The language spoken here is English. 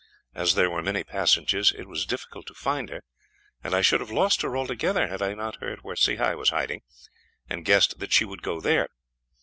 As there were many passages, it was difficult to find her, and I should have lost her altogether had I not heard where Sehi was hiding, and guessed that she would go there.